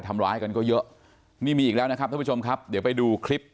ทำร้ายกันก็เยอะนี่มีอีกแล้วนะครับท่านผู้ชมครับเดี๋ยวไปดูคลิป